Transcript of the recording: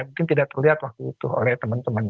mungkin tidak terlihat waktu itu oleh teman teman